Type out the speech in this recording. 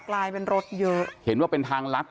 กลายเป็นรถเยอะเห็นว่าเป็นทางลัด